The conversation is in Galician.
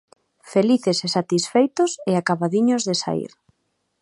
Felices e satisfeitos, e acabadiños de saír.